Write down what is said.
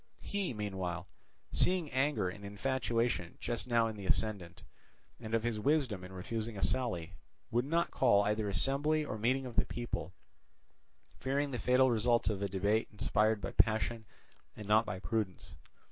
He, meanwhile, seeing anger and infatuation just now in the ascendant, and of his wisdom in refusing a sally, would not call either assembly or meeting of the people, fearing the fatal results of a debate inspired by passion and not by prudence.